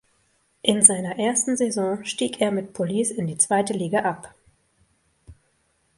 In seiner ersten Saison stieg er mit Police in die Zweite Liga ab.